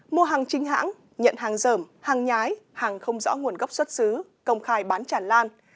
mua hàng chính hãng nhận hàng dởm hàng nhái hàng không rõ nguồn gốc xuất xứ công khai bán chản lan